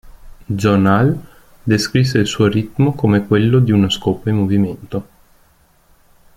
John Hall descrisse il suo ritmo come quello di una scopa in movimento.